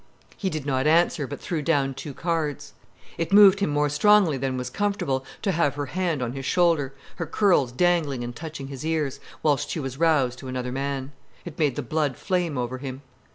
He did not answer, but threw down two cards. It moved him more strongly than was comfortable, to have her hand on his shoulder, her curls dangling and touching his ears, whilst she was roused to another man. It made the blood flame over him.